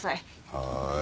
はい。